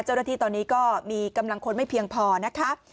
เจ้าหน้าที่ตอนนี้ก็มีกำลังคนไม่เพียงพอนะคะ